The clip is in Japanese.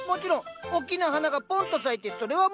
おっきな花がポンと咲いてそれはもう見事だよ。